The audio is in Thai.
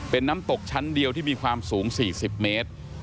เป็นน้ำตกชั้นเดียวที่มีความสูง๔๐เมตร